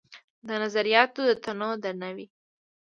د نظریاتو د تنوع درناوی